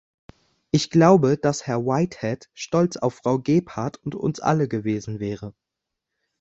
Ich glaube, dass Herr Whitehead stolz auf Frau Gebhardt und uns alle gewesen wäre.